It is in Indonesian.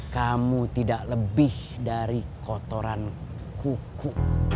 kamu tidak lebih dari kotoran kuku